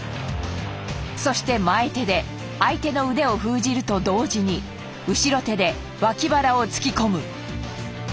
そして前手で相手の腕を封じると同時に後ろ手で脇腹を突き込む。